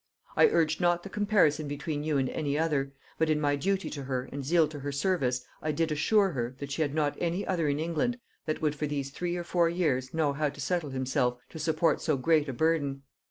I urged not the comparison between you and any other, but in my duty to her and zeal to her service I did assure her, that she had not any other in England that would for these three or four years know how to settle himself to support so great a burden.